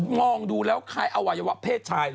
มองดูแล้วใครเอาวัยวะเพศชาย